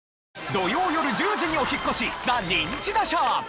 土曜よる１０時にお引っ越し『ザ・ニンチドショー』。